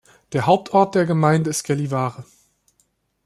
Der Hauptort der Gemeinde ist Gällivare.